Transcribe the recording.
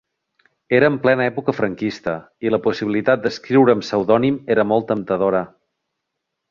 Era en plena època franquista i la possibilitat d'escriure amb pseudònim era molt temptadora.